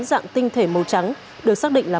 dạng tinh thể màu trắng được xác định là